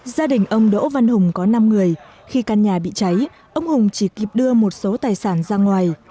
gia đình ông đỗ văn hùng có năm người khi căn nhà bị cháy ông hùng chỉ kịp đưa một số tài sản ra ngoài